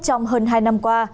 trong hơn hai năm qua